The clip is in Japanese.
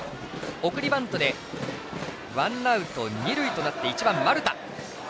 送りバントでワンアウト、二塁となって１番、丸田。